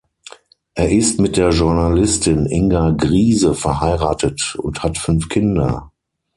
Er ist mit der Journalistin Inga Griese verheiratet und hat fünf Kinder.